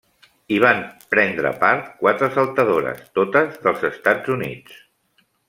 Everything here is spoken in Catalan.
Hi van prendre part quatre saltadores, totes dels Estats Units.